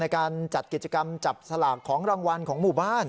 การจัดกิจกรรมจับสลากของรางวัลของหมู่บ้าน